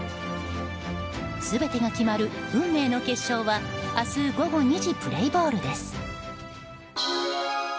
全てが決まる運命の決勝は明日午後２時プレーボールです。